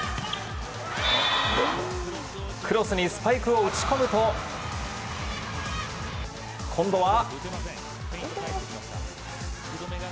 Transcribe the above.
クロスにスパイクを打ち込むと今度は。